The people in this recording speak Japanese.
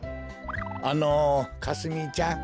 あのかすみちゃん。